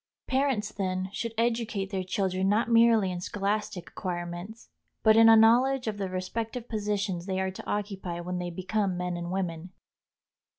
Parents, then, should educate their children not merely in scholastic acquirements, but in a knowledge of the respective positions they are to occupy when they become men and women.